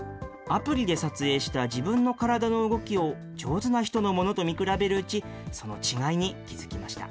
アプリで撮影した自分の体の動きを上手な人のものと見比べるうち、その違いに気付きました。